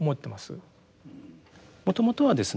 もともとはですね